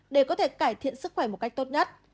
để có thể cải thiện sức khỏe một cách tốt nhất